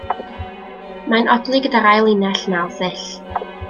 Mae'n odli gyda'r ail linell naw sill.